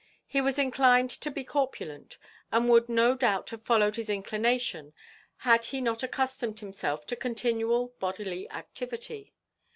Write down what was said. He was inclined to be corpulent, and would no doubt have followed his inclination had he not accustomed himself to continual bodily activity.